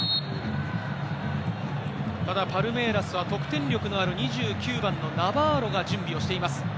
ただパルメイラスは得点力のある２９番のナバーロが準備をしています。